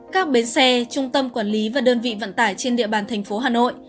các bến xe trung tâm quản lý và đơn vị vận tải trên địa bàn thành phố hà nội